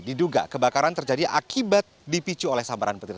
diduga kebakaran terjadi akibat dipicu oleh sambaran petir